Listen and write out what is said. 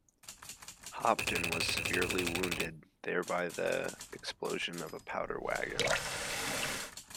Hopton was severely wounded there by the explosion of a powder-wagon.